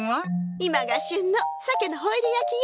今が旬の鮭のホイル焼きよ。